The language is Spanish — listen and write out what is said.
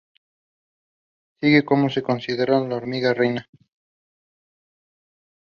La sigue como considerándola la "hormiga reina".